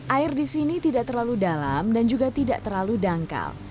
air di sini tidak terlalu dalam dan juga tidak terlalu dangkal